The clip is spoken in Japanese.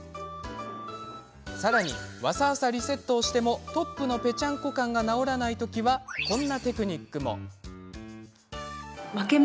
さらにわさわさリセットをしてもトップのぺちゃんこ感が直らない時はこんなテクニックも。